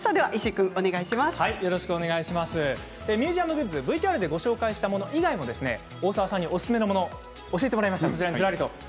ミュージアムグッズＶＴＲでご紹介したもの以外も大澤さんおすすめのものを教えてもらいました。